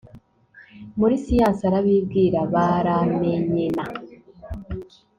muri siyansi arabibwira baramenyena